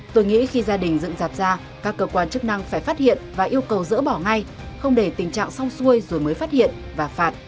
tôi nghĩ khi gia đình dựng dạp ra các cơ quan chức năng phải phát hiện và yêu cầu dỡ bỏ ngay không để tình trạng xong xuôi rồi mới phát hiện và phạt